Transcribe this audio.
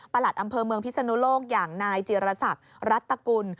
หลัดอำเภอเมืองพิศนุโลกอย่างนายจิรษักรัตกุล